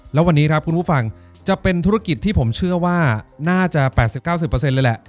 แล้ววันนี้ครับคุณผู้ฟังจะเป็นธุรกิจที่ผมเชื่อว่าน่าจะ๘๐๙๐เลยแหละ